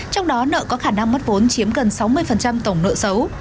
trong đó nợ có khả năng mất vốn chiếm gần sáu mươi tổng nợ xấu